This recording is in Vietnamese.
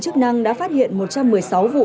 chức năng đã phát hiện một trăm một mươi sáu vụ